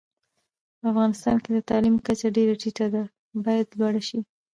په افغانستان کي د تعلیم کچه ډيره ټیټه ده، بايد لوړه شي